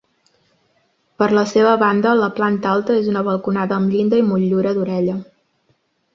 Per la seva banda, la planta alta és una balconada amb llinda i motllura d'orella.